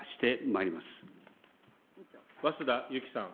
早稲田ゆきさん。